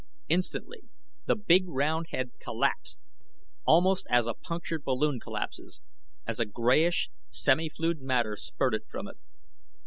Instantly the big, round head collapsed, almost as a punctured balloon collapses, as a grayish, semi fluid matter spurted from it.